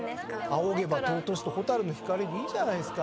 『仰げば尊し』と『蛍の光』でいいじゃないですか。